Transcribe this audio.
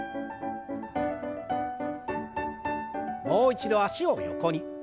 もう一度脚を横に。